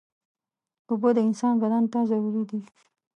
اوبه د انسان بدن ته ضروري دي.